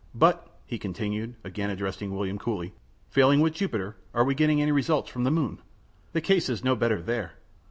But," he continued, again addressing William Cooley, "failing with Jupiter, are we getting any results from the moon?" "The case is no better there."